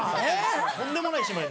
とんでもない姉妹に。